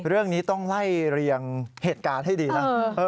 เรื่องนี้ต้องไล่เรียงเหตุการณ์ให้ดีนะ